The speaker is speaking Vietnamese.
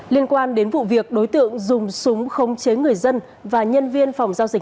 liên quan đến vụ việc đối tượng dùng súng không chế người dân và nhân viên phòng giao dịch